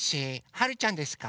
はるちゃんですか？